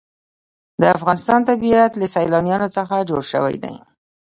د افغانستان طبیعت له سیلابونه څخه جوړ شوی دی.